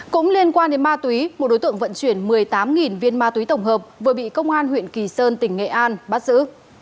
cũng liên quan đến ma túy một đối tượng vận chuyển một mươi tám viên ma túy tổng hợp vừa bị công an huyện kỳ sơn tỉnh nghệ an bắt giữ